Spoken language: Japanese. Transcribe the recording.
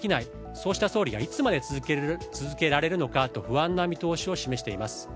そうした総理がいつまで続けられるのかと不安な見通しを示しています。